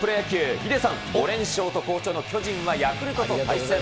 ヒデさん、５連勝と好調の巨人はヤクルトと対戦。